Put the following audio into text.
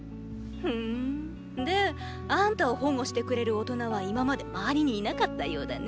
ふぅんであんたを保護してくれる大人は今まで周りにいなかったようだね。